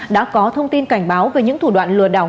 đã có thông tin cảnh báo về những thủ đoạn lừa đảo